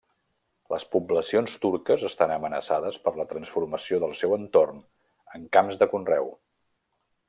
Les poblacions turques estan amenaçades per la transformació del seu entorn en camps de conreu.